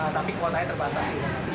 tapi kuotanya terbatas